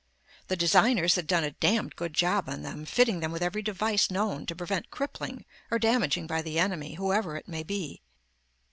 The designers had done a damned good job on them, fitting them with every device known to prevent crippling, or damaging by the enemy, whoever it may be.